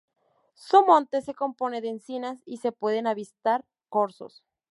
Su monte se compone de encinas y se pueden avistar corzos.